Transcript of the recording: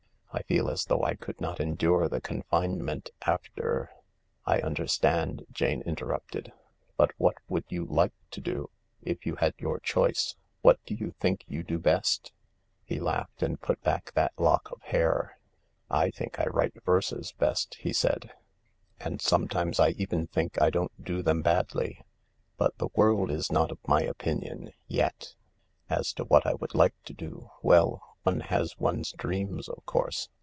I feel as though I could not endure the confinement after "" I understand," Jane interrupted, " but what would you like to do, if you had your choice — what do you think you do best ?" He laughed and put back that lock of hair. " J think I write verses best," he said, "and sometimes 108 THE LARK I even think I don't do them badly, but the world is not of my opinion — yet. As to what I would like to do — well, one has one's dreams, of course.